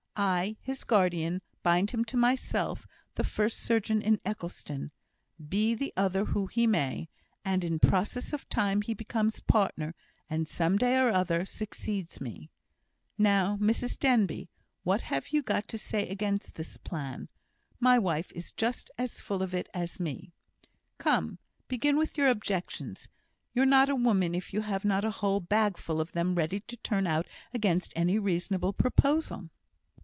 I, his guardian, bind him to myself, the first surgeon in Eccleston, be the other who he may; and in process of time he becomes partner, and some day or other succeeds me. Now, Mrs Denbigh, what have you got to say against this plan? My wife is just as full of it as me. Come! begin with your objections. You're not a woman if you have not a whole bag full of them ready to turn out against any reasonable proposal."